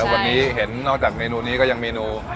วันนี้เห็นนอกจากเมนูนี้ก็ยังเมนู